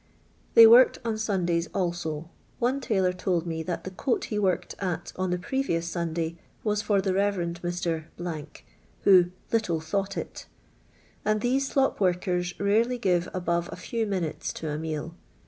They worked on Sundays also; one tailor told me that the coat he worked at on the previous Sunday was for the Rev. Mr. , who " little thought it," and these slop workers rarely give above a few minutes to a meal.